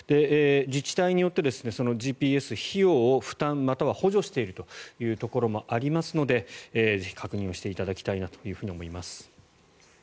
自治体によってＧＰＳの費用を負担または補助しているというところもありますので確認をしていただきたいと思います。